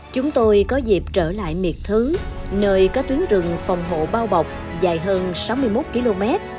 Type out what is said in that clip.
chúng tôi có dịp trở lại miệt thứ nơi có tuyến rừng phòng hộ bao bọc dài hơn sáu mươi một km